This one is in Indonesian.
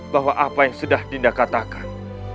bahwa apa yang sudah dinda katakan